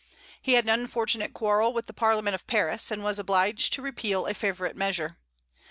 He had an unfortunate quarrel with the Parliament of Paris, and was obliged to repeal a favorite measure.